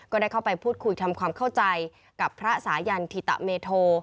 ก็ได้เข้าไปพูดคุยทำความเข้าใจกับพระสายันธิตะเมโท